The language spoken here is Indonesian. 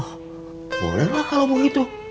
oh bolehlah kalau begitu